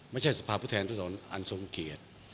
ไม่ใช่สภาพุทธแทนทุกอันทรงเกียรติ